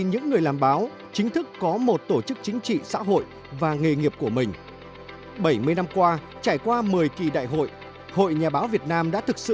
hội nhà báo việt nam